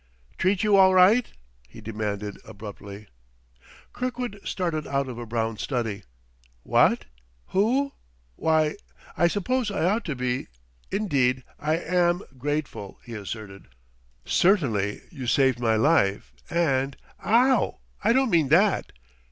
"'Treat you all right?" he demanded abruptly. Kirkwood started out of a brown study. "What? Who? Why, I suppose I ought to be indeed, I am grateful," he asserted. "Certainly you saved my life, and " "Ow, I don't mean that."